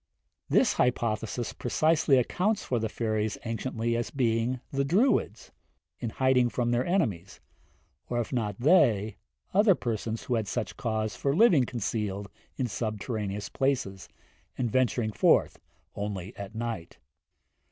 This hypothesis precisely accounts for the fairies anciently as being the Druids, in hiding from their enemies, or if not they, other persons who had such cause for living concealed in subterraneous places, and venturing forth only at night.